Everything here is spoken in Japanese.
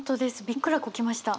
びっくらこきました。